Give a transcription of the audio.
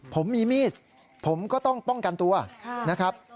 ผมมีมีดผมก็ต้องป้องกันตัวนะครับ